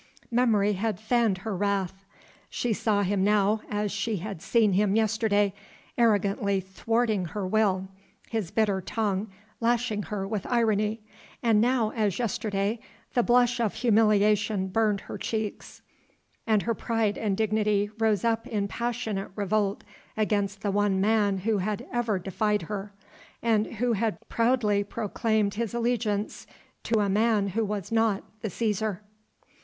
Memory had fanned her wrath. She saw him now as she had seen him yesterday, arrogantly thwarting her will, his bitter tongue lashing her with irony; and now, as yesterday, the blush of humiliation burned her cheeks, and her pride and dignity rose up in passionate revolt against the one man who had ever defied her and who had proudly proclaimed his allegiance to a man who was not the Cæsar.